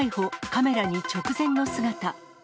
カメラに直前の姿。